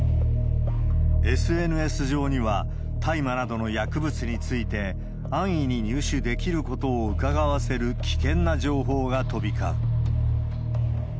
ＳＮＳ上には大麻などの薬物について、安易に入手できることをうかがわせる危険な情報が飛び交う。